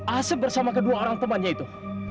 asep bersama kedua orang temannya itu